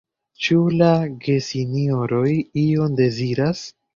Ĉu la gesinjoroj ion deziras?